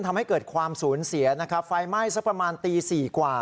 ทำให้เกิดความสูญเสียนะครับไฟไหม้สักประมาณตีสี่กว่า